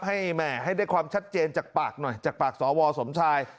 แหมให้ได้ความชัดเจนจากปากหน่อยจากปากสวสมชาย